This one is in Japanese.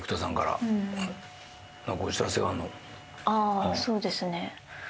あそうですね。